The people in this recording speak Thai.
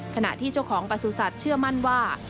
ขณะที่เจ้าของประสุทธิ์เชื่อมั่นว่า